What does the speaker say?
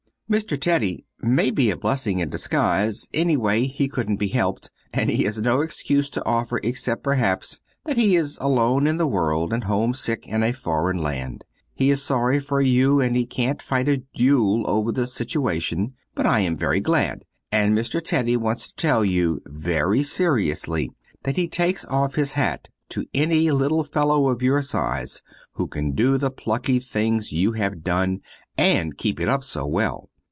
Mr. Teddy may be a blessing in disguise, anyway he couldn't be helped, and he has no excuse to offer, except, perhaps, that he is alone in the world and homesick in a foreign land. He is sorry you and he can't fight a duel over the situation, but I am very glad. And Mr. Teddy wants to tell you, very seriously that he takes off his hat to any little fellow of your size who can do the plucky thing you have done, and keep it up so well.